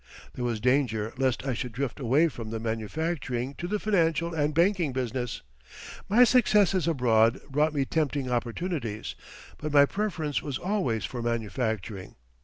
There was danger lest I should drift away from the manufacturing to the financial and banking business. My successes abroad brought me tempting opportunities, but my preference was always for manufacturing.